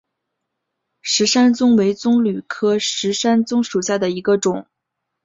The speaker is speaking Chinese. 石山棕为棕榈科石山棕属下的一个种。